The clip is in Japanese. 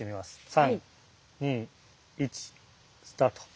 ３２１スタート。